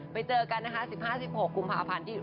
ไปเจอกันนะคะ๑๕๑๖กุมภาพันธ์